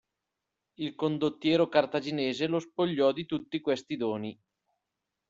Il condottiero cartaginese lo spogliò di tutti questi doni.